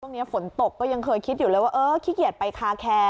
ตรงนี้ฝนตกก็ยังเคยคิดอยู่แล้วว่าเออขี้เกียจไปคาแค